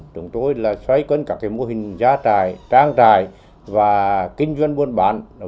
chúng tôi là xoay cân các cái mô hình gia trài trang trài và kinh doanh buôn bán